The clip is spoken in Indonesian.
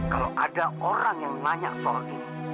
kalau ada orang yang nanya soal ini